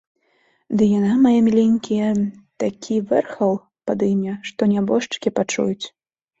Ды яна, мае міленькія, такі вэрхал падыме, што нябожчыкі пачуюць.